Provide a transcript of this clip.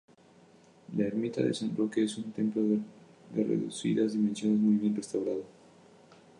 La ermita de San Roque es un templo de reducidas dimensiones muy bien restaurado.